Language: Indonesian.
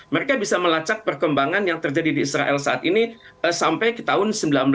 mereka bisa melacak perkembangan yang terjadi di israel saat ini sampai ke tahun seribu sembilan ratus sembilan puluh